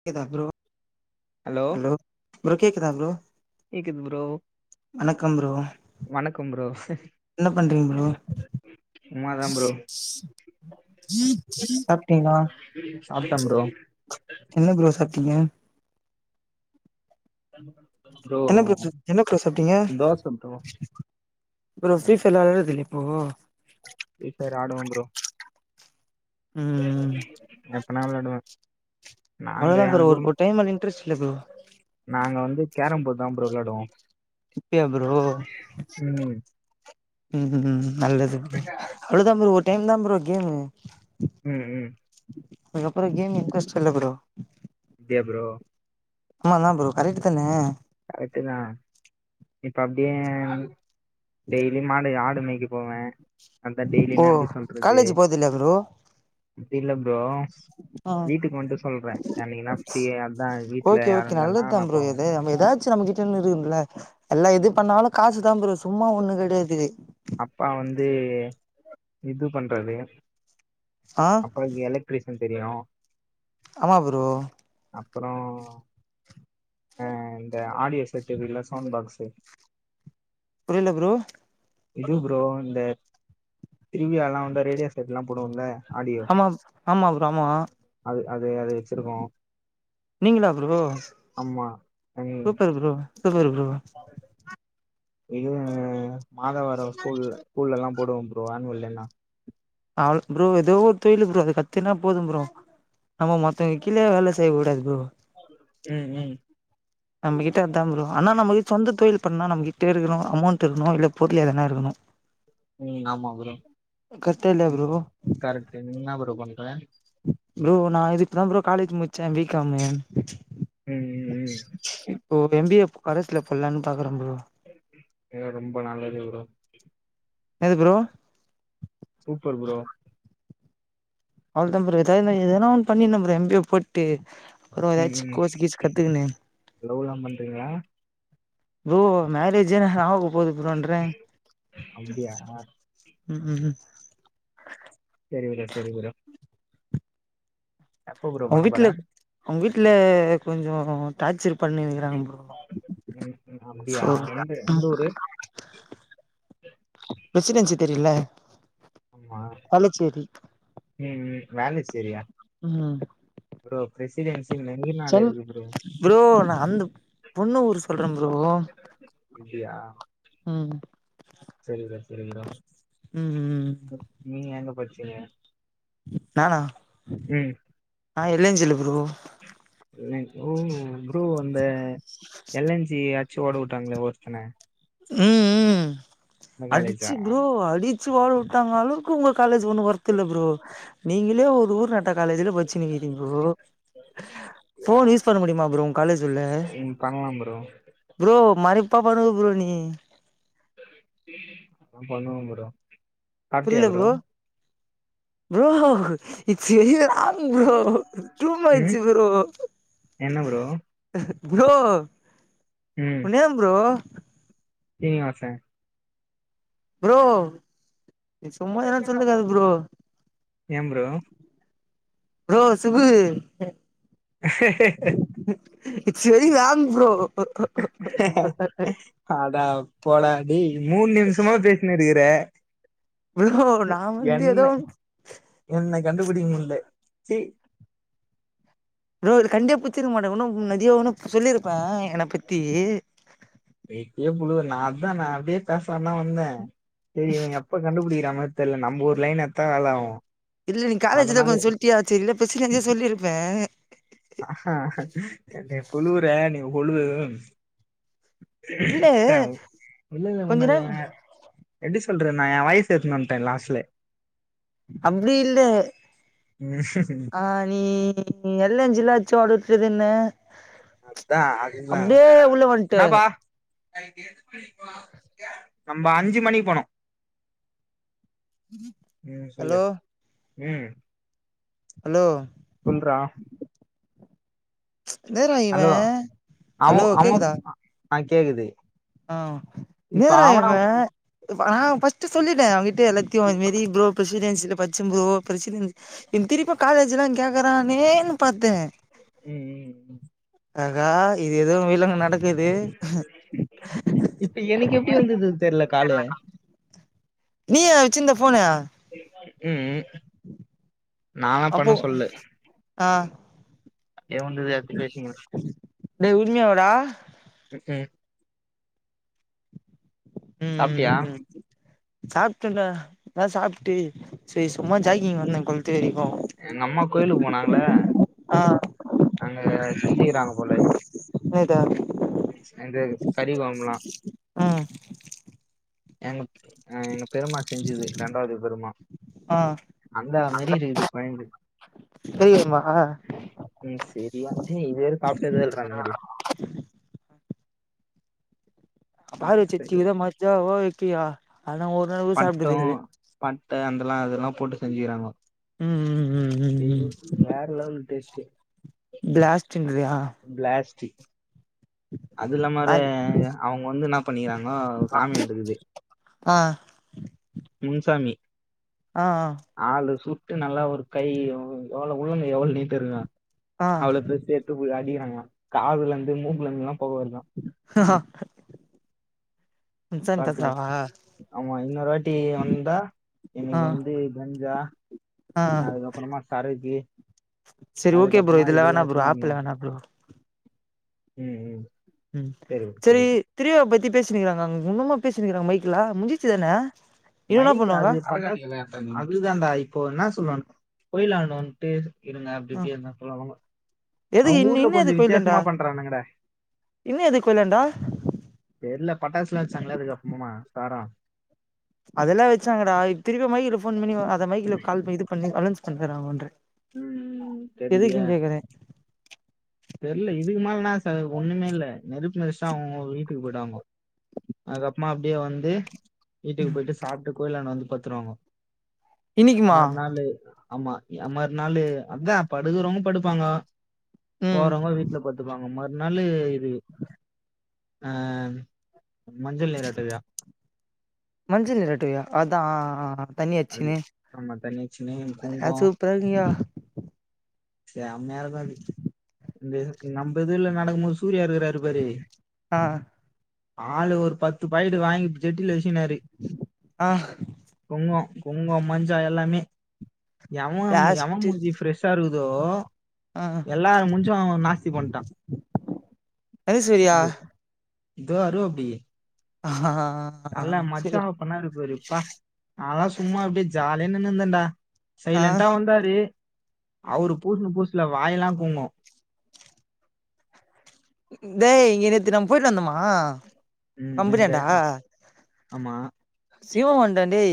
க்கிதா bro hello bro கேக்குேதா bro கேக்குது bro வணக்கம் ப்ரோ வணக்கம் ப்ரோ என்னப் பண்றீங்க ப்ரோ சும்மாதா ப்ரோ சாப்டீங்களா சாப்ட்ட ப்ரோ என்ன ப்ரோ சாப் இங்க [unintelligible] என்ன ப்ரூட்ஸு என்ன ப்ரோ சாப்டீங்க தோச ப்ரோ ப்ரோ ஃப்ரீஃபயர்ல ஆடவே தெர்ல்யா ப்ரோ ஃப்ரீஃப்யர் ஆடுவோ ப்ரோ ம் எப்பணா வெளாடுவே அவ்ளதா ப்ரோ ஓல் ஒர் டைம்ல நின்ட்ரெஸ் இல்ல ப்ரோ நாங்க வந்து கேரம்போட் தா ப்ரோ வெளாடுவோ இப்யா ப்ரோ ம் ம் ம் ம் நல்லது ப்ரோ அவ்ளோ தா ப்ரோ ஒர் டைம் தா ப்ரோ கேமு ம் ம் அதுக்கப்ற கேம் இன்ட்ரெஸ்ட் இல்ல ப்ரோ அப்டியா ப்ரோ ஆமா ப்ரோ கரெக்டு தானே கரெட் தா இப்ப அப்டியே டெய்லி மாடு ஆடு மேய்க போவே அதா ஓ டெய்லினா எப்டி சொல்றது காலேஜ் போறதில்லையா ப்ரோ ப்டி இல்ல ப்ரோ ஆ வீட்டுக் வன்ட்டு சொல்றே என்னைக்கீனா பிரீயா இருந்தா வீட்டுல யாருல்லைன்னா நா போவே எ நம்ம எதாது ச்ச நம்ம கிட்டனு இருக்குமுல எல்லா எது பண்ணாலு காசுதா ப்ரோ சும்மா ஒண்ணு கெடையாது அப்பா வந்து இது பண்றரு ஆ அப்பாக்கு எலக்ட்ரிஷின் தெரியு ஆமா ப்ரோ அப்றோ அ இந்த ஆடியோ செட் இருக்குல சவுண்ட் பாக்ஸு புரில ப்ரோ இது ப்ரோ இந்த திருவிழாலா வந்த ரேடியோ செட்லா போடுவோல்ல ஆடியோ ஆமா ஆமா ப்ரோ ஆமா அது அது அது வச்சிருக்கோ நீங்களா ப்ரோ ஆமா ம் சூப்பர் ப்ரோ சூப்பர் ப்ரோ இதுங்க மாதவரம் ஸ்கூல்ல ஸ்கூலலா போடுவோ ப்ரோ ஆனுவல் டேனா அவ்ல் ப்ரோ ஏதோ ஒரு தொழிலு ப்ரோ அது கத்துனா போது ப்ரோ நம்ம மத்தவைங் கீழே வேல செய்கூடாது ப்ரோ ம் ம் நம்மகிட்டே அதா ப்ரோ ஆனா நம்ம கிட்ட சொந்த தொழில் பண்ணா நம்கிட்டே இருக்குறோ அமௌண்ட் இருக்ணு இல பொருளு எதனா இருக்கணு ம் ஆமா ப்ரோ கரட்டா இல்லயா ப்ரோ என்னா ப்ரோ பண்ற ப்ரோ நா இதுக் தா ப்ரோ காலேஜ் முடிச்சே பி காமு ம் ம் ம் இப்போ எம் பி ஏ கரஸ்ல போட்லானு பாக்குறே ப்ரோ எ ரொம்ப நல்லது ப்ரோ எது ஃப்ரோ சூப்பர் ஃப்ரோ அவ்ளோ தா ஃப்ரோ எதாதுன எதனா ஒன்னு பண்ணினு ஃப்ரோ எம் பி ஏ போட்டு அப்றோ ம் ஏதாச் ம் கோர்ஸ் கீஸ் கத்துகுணு லவ்லா பண்றீங்களா ஃப்ரோ மேரேஜே எனகு ஆக போது ஃப்ரோன்ற அப்டியா ம் ம் ம் செரி ஃப்ரோ செரி ஃப்ரோ ப்ரோ அவுங்க பண்ண போற வீட்ல அவுங்க வீட்ல கொஞ்சோ டாச்சர் பண்ணி வைகிறாங்க ம் ம் அப்டியா ஃப்ரோ எந்த எந்த ஊரு பிரசிடென்சி தெரியுல்ல ஆமா ம் ம் வேல செய்றியா ம் ஃப்ரோ பிரசிடென்சி மெயினா சொல் ஃப்ரோ நா அந்த பொண்ணு ஊர் சொல்றே ஃப்ரோ இல்லையா செரி ஃப்ரோ சரி ஃப்ரோ ம் ம் நீங்க எங்க படிச்சீங்க நானா ம் நா இல்லன்னு சொல்லு ஃப்ரோ அ ஓ ப்ரூ அந்த எல் என் ஜி ஆ டிச்சி ஓட வுட்டாங்களே ஒருத்தன ம் ம் அந்த காலேஜா அடிச்சி ஃப்ரோ அடிச்சி ஒட வுட்டாங்க அளவு கு உங்க காலேஜ் ஒண்ணு ஒர்த்து இல்ல ஃப்ரோ நீங்களே ஒரு ஊர் நட ட்ட காலேஜ்ல பச்சனீருக்கீங்கோ அப்டியா ஃபோன் யூஸ் பண்ண முடியுமா ஃப்ரோ உங்க காலேஜ் உள்ள ம் பண்லாம் ப்ரோ ஃப்ரோ மறைத்தா பண்ணுவ ஃப்ரோ நீ ஆ பண்ணுவோ ஃப்ரோ புரியில ஃப்ரோ ஃப்ரோ நீ செரிய ஆள் ஃப்ரோ டூ ம் மச்சி ஃப்ரோ என்ன ப்ரோ ஃப்ரோ ம் உன் நேம் ஃப்ரோ சினிவாச ஃப்ரோ நீ சும்மா எதான சொல்லிட்டு இருக்காத ஃப்ரோ ஏ bro bro Sukhu [unintelligible] it's very wrong bro அட போடா டேய் மூணு நிமிஷோமா பேசி னுயிருக்குற ஃப்ரோ நா வந்து ஏதோ என்ன கண்டுபிடிக்க முடில ச்சீ ஃப்ரோ இது கண்டே பிடிச்சிருக்க மாட்டே இன்னோ நெறையா இன்னோ சொல்லியிருப்பே என்ன பத்தி ஏய் புழு நா அதானா அப்டியே பேசலானுதா வந்த சேரி இவ எப் இப்ப கண்டுபிடிக்கிற மாரி தெர்ல நம்ம லைன் எத்தாலு இல்ல நீங்க காலேஜ்ல கொஞ்சோ சொல்லிட்டியாட்சி இல்ல ஃபர்ஸ்ட் இருந்தே சொல்லிருப்பே ஆ நீ புழுவுற நீ ஓழுவு இல்ல ட்ட இல்ல இல்ல கொஞ்ச நேர உண்மதாங்க எப்டி சொல்ற நா ஏ வாயஸ் எத்துனுன்ட்டு வந்துட்டே லாஸ்ட்ல அப்டி இல்ல ஆ நீ எல்னேஞ்சுல அடிச்சீ ஒடச்சுதுன்ன அதா அதுதா உள்ள வந்ட்டு நம்ம அஞ்சு மணிக்கு போனோ ம் சொல்லு ஹலோ ம் ஹலோ சொல்றா என்னாடா இவ ஹலோ அவொ ஹலோ அவொ ஆ கேக்குது அ இப்ப என்னதுடா அவனா இவெ நாங்க ஃபஸ்ட் த்து சொல்லிட்டே அவங்கிட்ட எல்லாத்தையு இதுமாரி ப்ரோ ப்ரசிடன்சில பச்சே ப்ரோ பிரசிடன் என் திருப்ப காலேஜல்லா கேக்கறானேன் பாத்தே ம் ம் ம் அகா இது எது வில்லங்கோ நடக்குது இப்ப எனக்கு எப்டி வந்ததுன் தெர்ல காலு நீயா வச்சிருந்த ஃபோனு ம் ம் நாலா பண்ண அப்போ சொல்லு ஆ ஏ வந்துது எடுத்து பேசீனுங்குற டேய் உண்மைய வாடா ம் ம் ம் ம் சாப்ட்டியா ம் ம் சாப்டல்ல அதா சாப்டு சேர் சும்மா ஜாக்கிங் வந்தே கொளத்து வரைக்கு எங்க அம்மா கோயிலுக்கு போனாங்கள ஆ அங்க செஞ்சுக்கிறாங்க போல எத சேந்து ஸ்டடி ஃபாம்ல்லா ம் எங்க அ எங்க பெருமா செஞ்சது ரெண்டாவது பெருமா ஆ அந்த மாரி இருக்குது பாயிண்டு தெரியுமா ம் சரியாக இது வேற சாப்ட்டதே இல்றா அந்த மாரி அப்ப ஆள் வச்சு சரி வச்சுகிற மச்சாவோ இக்கியா அதலா ஒரு நாள் கூட பட்டு சாப்ட்டது இல்ல பட்ட அந்தல்லா அதல்லா போட்டு செஞ்சுகிறாங்கோ ம் ம் ம் ம் இது ம் வேற லெவல் டேஸ்ட்டு பிளாஸ்ட்டுங் கிரியா பிளாஸ்ட்டி அது இல்லாம அவரு அது அவுங்க வந்து என்னா பண்ணிகிறாங்கோ சாமி வந்துருக்குது ஆ முன்சாமி ஆ ஆ ஆளு சுட்டு நல்லா ஒரு கை எவ்வளவு உள்ளங்கை எவ்வளவு நீட்ட இருக்கு ஆ அவ்ளோ ஆ பெருசு இட்டுபோய் அடிக்கிறாங்களா காதுல இருந்து மூக்குல இருந்தலா பொக வருதா ஆ பாத்துக்க அவுங்க இன்னொரு வாட்டி வந்தா ஆ இன்னைக்கு வந்து கஞ்சா ஆ அதுக்கப்பறமா சரக்கு செரி ஓகே ப்ரோ அதுக்கப்புறமா இதுல வேணா இதெல்லாம் ப்ரோ எடுத்துன்னு ஆப்ல வரணும் வேணா ப்ரோ ம் ம் ம் சரி செரி சரி திருவிழா பத்தி பேசினிக்கிறாங்க அங்க உன்னமா பேசினிக்கிறாங்க மைக்ல முஞ்சிச்சு தான இன்னு என்ன மைக் பண்ணுவாங்க அது அதுதான்டா இப்போ என்னா சொல்றானுங்க கோயிலான்ட வந் டேஸ் இருங்க ஆ அப்டிஅப்டியே எல்லா சொல்லவாங்க எதுக்கு அவுங்க இன் ஊர்ல இன்னு கொஞ்சோ எதுக்கு கோயிலாண்ட வித்யாசமா பண்றானுங்கடா இன்னு எதுக்கு கோயிலாண்ட தெர்ல பட்டாசுலா வெட்ச்சாங்கள்ள அதுக்கு அப்றமா சாரோ அதெல்லா வச்சாங்கடா திருப்பி மைக்ல போன் பண்ணி அத மைக்ல கால் ப இது பண்ணி அலொன்ஸ் பண்ணுறாங்கோன்ற ம்ம்ம் தெர்லிய தெர்ல இதுக்கு மேல்னா ச ஒன்னுமே இல்ல நெருப்பு மிதிச்டா அவுங்க அவுங்க வீட்டுக்கு போய்டுவாங்கோ அதுகப்மா அப்டியே வந்து வீட்டுக்கு போயிட்டு சாப்ட்டு கோயிலாண்ட வந்து பத்துருவாங்கோ இன்னிக்குமா மறுநாளு ஆமா எ மறுநாளு அதா படுகுறவங்க படுப்பாங்கோ ம் போறவுங்க வீட்ல பத்துப்பாங்க மறுநாளு இது அ மஞ்சள் நீராட்டு விழா மஞ்சள் நீராட்டு விழா அதா தண்ணி அது அச்சுகுனு ஆமா தண்ணி வச்சுன்னு அ குங்கம் சூப்பரா இருக்கு ஐயோ செமயா இருக்கு அது இந்த நம்ப இதுல நடக்கும் போது சூர்யா இருக்றாரு பாரு ஆ ஆளு ஒரு பத்து பாயட்டு வாங்கி ஜட்டில வச்சினாரு ஆ குங்கோ குங்கோ மஞ்சா எல்லாமே எவெ எவெ லாஸ்ட்டு மூஞ்சி ஃப்ரெஷ் ஷா இருக்குதோ ஆ எல்லார் மூஞ்சு அவெ நாஸ்தி பண்டா தனுஸ்வரியா து வருவாப்டி ஆ ஆ ஆ ஆ நல்லா சரி மஜாவா பண்ணாரு பாரு அப்பா நாலா சும்மா அப்டியே ஜாலியா நின்னு இருந்தேன்டா ஆ சைலன்டா வந்தாரு அவ்ரு பூட்ன பூசுல வாய் எல்லா குங்கு ம்ஹூ டேய் இங்க நேத்து நம்ம போயிட்டு வந்தோமா ம் எந்த கம்பெனியாண்ட அம் ஆமா சிவோ வந்தான்டே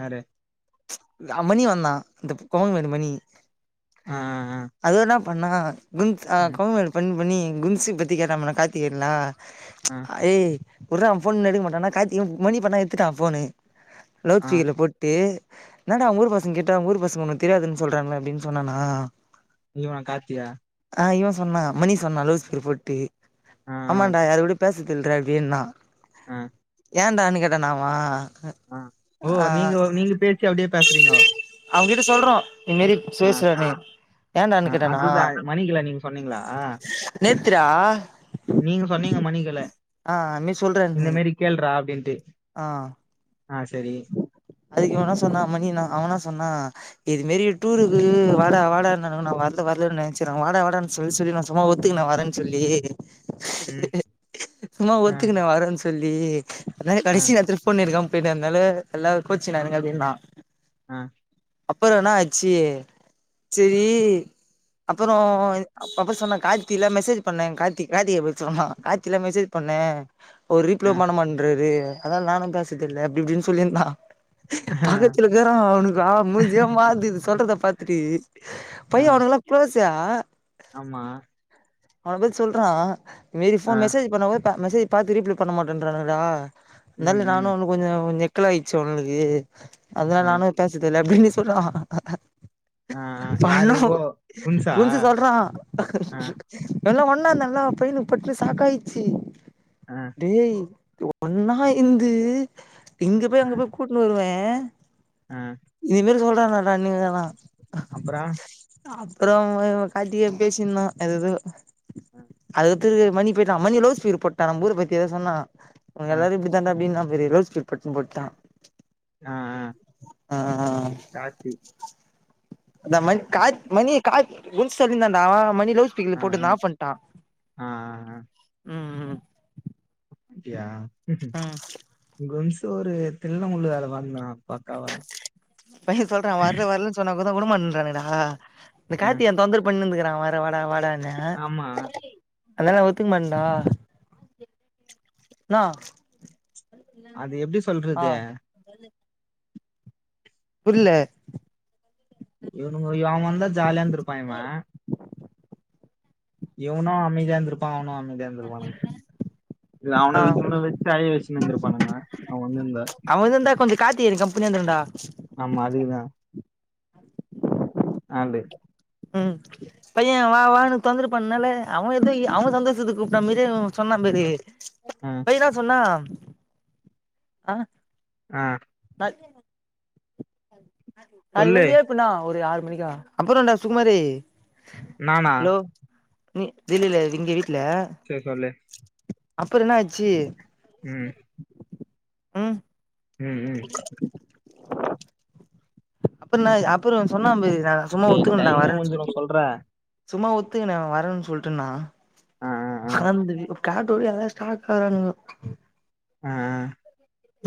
யாரு அமணி வந்தா இந்த கோயம்பேடு மணி ஆ ஆ அது வேண்ணா பண்ணா கும்ஸ் அ ம், கோயம்பேடு பண் பண்ணி கும்சி பத்தி கேட்டா நம்மனா காத்திகேயன்லா ஆ ஏய் விட்ரா அவ போனு எடுக்க மாட்டானா கார்த்தி இவ மணி பண்ணா எட்த்துட்டா போனு லவுட் ஆ ஸ்பீக்கர்ல போட் து என்னடா உங்க ஊர் பசங்க கேட்டா உங்க ஊர் பசங்க உன்ன தெரியாதுன் சொல்றாங்க அப்டின் சொன்னேனா இவ கார்த்தியா ஆ இவ சொன்னா மணி சொன்னா லவுட் ஸ்பீகர் போட்டு ஆ ஆமான்டா யாரு கூடயோ பேசு தில் ரவினா ஆ ஏன்டானு கேட்டனாவா ஆ ஓ நீங்க நீங்க பேச்சு அப்டியே பேசுறீங்கோ அவங் கிட்ட சொல்றோ இந்த் மாரி பேசுற நீ ஆ ஏன்டான்னு கேட்டேனா அதுதான் மணிகலா நீங்க சொன்னீங்களா நேத்துட்டா நீங்க சொன்னீங்க மணி கைல ஆ இன்னைக் சொல்றேனு கேள்றா அப்டின்டு ஆ ஆ சரி அதுக்கு இவ என்ன சொன்னா மணினா அவனா சொன்னா இது மாரி டூருக்கு வாடா வாடா நாங்க நா வரல வரலன்னே செரி வாடா வாடா சொல்லி சொல்லி நா சும்மா ஒத்துக்குனே நா வரேன் சொல்லி ம் சுமா ஆ ஒத்துக்குனே வரோன் சொல்லி அதாங்க ஆ கடைசி நேரத்துல புக் பண்ணிருக்கா போயிட்டே அதனால எல்லா கோச்சு நானுங்க அப்டி நா ஆ அப்பறோ என்னா ஆச்சி சேரி அப்பறோ அப்ப சொன்னா கார்த்தில மெசேஜ் பண்ணே காத்தி காத்திட்ட போய் சொன்னா காத்தில்லா மெசேஜ் பண்ணே ஒரு ஆ ரீப்ளே பண்ணமாட்ன்டாரு அதா நானு பேசதில்ல அப்டி இப்டின் சொல்லிந்தா ஆ பக்கத்துலருக்கா அவனுக்கு ஆ மூஞ்சேமாருது இது சொல்றத பாத்தட்டு ஆ பையே அவனுங்கள்லா க்ளோஸு ஆமா அவன பத் சொல்றா மீறி ஆ ஃபோன் மெசேஜ் பண்ண [unintelligible] மெசே ப்பா திருப்பி பண்ண மாட்டேன்றானுங்கடா ம் னால ம் நானு உண்ணு கொஞ்சோ நெக்கல் ஆய்ச்சு அவன்ளுக்கு அதனால ஆ நானு பேசதில்ல அப்டின்னு சொல்றா ஆ, யாரு ஓ குன்ஸா [unintelligible] சொல்றா ஆ, எல்லா ஒன்னா நல்லா போய்ல போட்னு சாக்காயிர்ச்சி ஆ ஏய் ஒன்னா இந்து இங்க போய் ஆ, அங்க போய் கூட்னு வருவே ஆ இதுமேரி சொல்றானாடா அப்புறம் [unintelligible] அப்றோ காட்டி பேசின்னா எதெதோ ஆ, அது க்கு மணி போய்ட்டா மணி [unintelligible] போட்டா நம்பூர பத்தி எதோ சொன்னா உங்க ஆ, எல்லாரையு இப்டி [unintelligible] போட்டா ஆ ஆ ஆ கார்த்தி அதா மண் கா மணி கா [unintelligible] சொல்லின்ந்தான்டா மணி ஆ, [unintelligible] [unintelligible] ஆ, னாஃப் பண்ட்டா ஆ, ஆ, ம் ம் அப்பிடியா [unintelligible] ம் ஒரு தில்லுமுல்லு வேல [unintelligible] பையே சொல்றா வர்ல வர்ல பண்ணாக்கூடோ கூடோ மந்துரானுங்டா இந்த ஆ, கார்த்தி ஏ தொந்தர் பண்ணிந்துக்றா வேற வாடா வாடா ன ஆமா அல்லா நா ஒத்துக்கமான்டா ன்னா அது எப்டி சொல்றது புர்ல இவனுங்க அவெ வந்தா ஜாலியாந்துருப்பா இவே இவ்னு அமைதியா இருந்துருப்பா அவ்னு அ மைதியா இருந்துருப்பானுங்க இல்ல அவன ஆ [unintelligible] அவே வந்துருந்தா அவே வந்துருந்தா கொஞ்சோ கார்த்தி எனக் கம்பெனி வந்துருடா ஆமா அதுக்குதா அப்டி ம் பையே வா வானு தொந்த்ர பண்னால அவே எதோ அவே சந்தோஷத்துக்கு கூப்ட்ட மாரி சொன்னா பாரு ஆ பயதா சொன்னா ஆ ஆ [unintelligible] நாளைக்கு சொல்லு வந்து ஏழுப்புண்ணா ஒரு ஆறு மணிக்கா அப்புறம்டா சுகுமார நானா ஹலோ [unintelligible] இங்க வீட்ல சேர் சொல்லு அப்புற என்னாச்சு உம் ம் ம் உம் பின்னய் அப்புறம் சொன்னா பாரு சும்மா டேய் ஒத்துக்கண்டாங் டைமே வரேன் முடிஞ்சிடும் சொல்ட்டு சொல்றேன் சும்மா உத்துங்கன வரன் சொல்ட்டன்னா ஆ ஆ ஆ ஆனந்த்த வே கட்டோவே எல்ல ஸ்டாட் ஆறானுங்க அ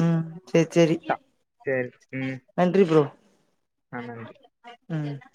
உம் சேர் சேரி சேரி ம் நன்றி ப்ரோ ஆ நன்றி ம்